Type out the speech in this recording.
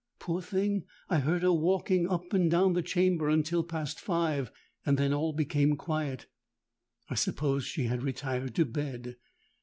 Poor thing! I heard her walking up and down the chamber until past five; and then all became quiet. I supposed she had retired to bed.